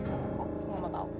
kok gak mau tau